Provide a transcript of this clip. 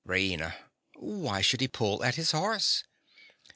RAINA. Why should he pull at his horse?